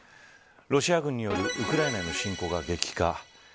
ロシア軍によるウクライナの侵攻が激化。